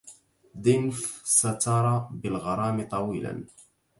دنف تستر بالغرام طويلا